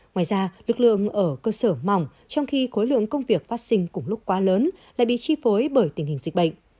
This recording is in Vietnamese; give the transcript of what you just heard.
ngoài ra lực lượng ở cơ sở mỏng trong khi khối lượng công việc phát sinh cùng lúc quá lớn lại bị chi phối bởi tình hình dịch bệnh